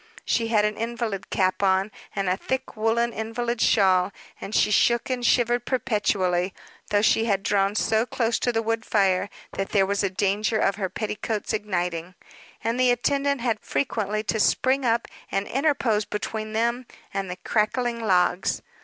She had an invalid cap on, and a thick woolen invalid shawl, and she shook and shivered perpetually; though she had drawn so close to the wood fire that there was a danger of her petticoats igniting, and the attendant had frequently to spring up and interpose between them and the crackling logs.